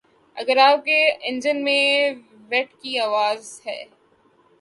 اگر آپ کے انجن میں ویٹ کی آواز ہے